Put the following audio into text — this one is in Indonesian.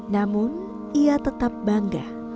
namun ia tetap bangga